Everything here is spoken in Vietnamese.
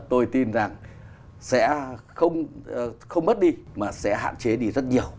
tôi tin rằng sẽ không mất đi mà sẽ hạn chế đi rất nhiều